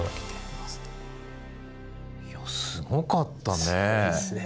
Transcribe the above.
いやすごかったね。